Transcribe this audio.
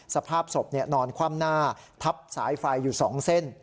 สภาพศพนอนคว่ำหน้าทับสายไฟอยู่๒เส้น